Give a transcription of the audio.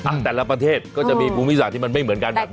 แต่ละประเทศก็จะมีภูมิศาสตร์ที่มันไม่เหมือนกันแบบนี้